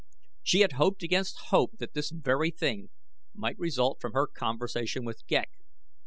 She had hoped against hope that this very thing might result from her conversation with Ghek.